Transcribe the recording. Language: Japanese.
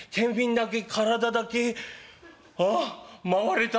あっ回れた」。